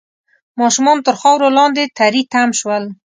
ماشومان تر خاورو لاندې تري تم شول